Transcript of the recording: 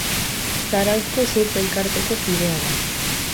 Zarauzko Surf Elkarteko kidea da.